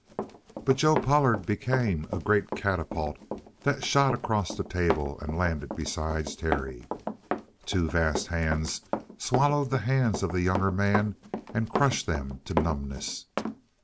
But Joe Pollard became a great catapult that shot across the table and landed beside Terry. Two vast hands swallowed the hands of the younger man and crushed them to numbness.